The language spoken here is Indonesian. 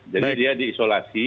jadi dia diisolasi